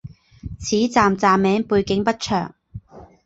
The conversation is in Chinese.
此站站名背景不详。